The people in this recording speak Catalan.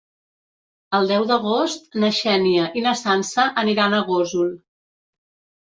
El deu d'agost na Xènia i na Sança aniran a Gósol.